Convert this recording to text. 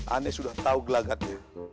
aneh sudah tahu gelagatnya